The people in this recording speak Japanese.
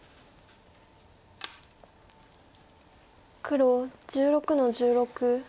黒１６の十六。